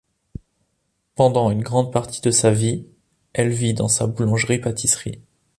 Pendant une grande partie de sa vie, elle vit dans sa boulangerie-pâtisserie.